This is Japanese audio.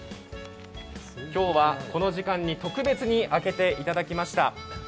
今日はこの時間に特別に開けていただきました。